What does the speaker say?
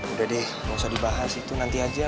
udah deh nggak usah dibahas itu nanti aja